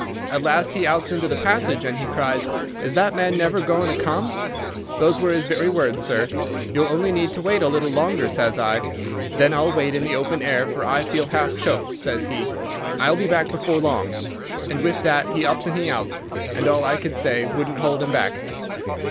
At last he outs into the passage, and he cries, 'Is that man never goin' to come?' Those were his very words, sir. 'You'll only need to wait a little longer,' says I. 'Then I'll wait in the open air, for I feel half choked,' says he. 'I'll be back before long.' And with that he ups and he outs, and all I could say wouldn't hold him back."